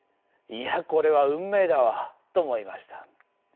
いやこれは運命だわと思いました。